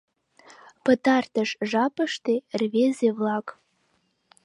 «...Пытартыш... жапыште... рвезе-влак...